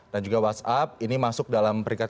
dan juga whatsapp ini masuk dalam peringkat